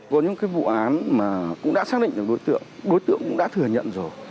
có những cái vụ án mà cũng đã xác định được đối tượng đối tượng cũng đã thừa nhận rồi